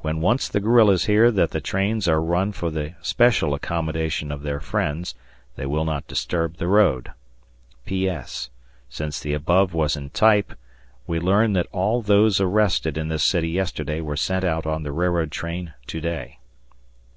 When once the guerrillas hear that the trains are run for the special accommodation of their friends, they will not disturb the road. ... P.S. Since the above was in type, we learn that all those arrested in this city yesterday were sent out on the railroad train to day.